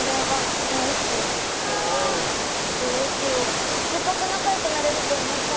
せっかくなかよくなれるとおもったのに。